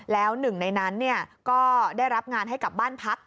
แล้วหนึ่งในนั้นก็ได้รับงานให้กับบ้านพัก